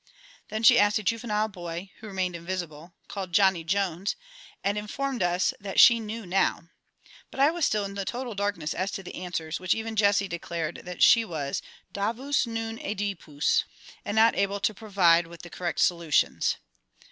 Then she asked a juvenile boy (who remained invisible), called "JOHNNY JONES," and informed us that "she knew now." But I was still in the total darkness as to the answers, which even JESSIE declared that she was "Davus non Oedipus," and not able to provide with the correct solutions.